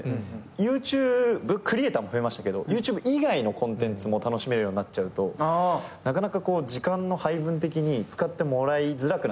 ＹｏｕＴｕｂｅクリエイターも増えましたけどＹｏｕＴｕｂｅ以外のコンテンツも楽しめるようになっちゃうとなかなかこう時間の配分的に使ってもらいづらくなってきてる。